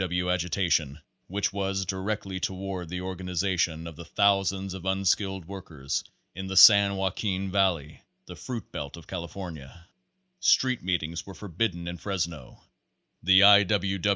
W. W. agitation, which was directed toward the organization of the thousands of unskilled workers in the San Joaquin Valley, the fruit belt of California. Street meetings were forbidden in Fresno. The I.